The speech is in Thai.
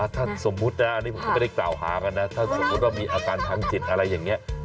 ถ้าสมมุตินะอันนี้ผมก็ไม่ได้กล่าวหากันนะถ้าสมมุติว่ามีอาการทางจิตอะไรอย่างนี้